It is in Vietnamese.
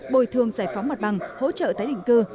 bồi thường giải phóng mặt bằng hỗ trợ tái định cư